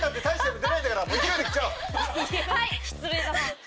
はい！